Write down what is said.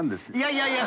いやいや！